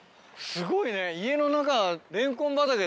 すごいね。